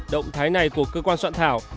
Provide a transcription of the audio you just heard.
động thái này của cơ quan soạn thảo